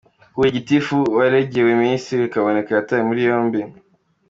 Huye: Gitifu waregewe Minisitiri Kaboneka yatawe muri yombi.